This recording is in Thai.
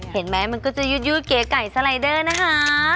เห็นมั้ยมันก็จะยุดยุดเกะไก่สไลเดอร์นะคะ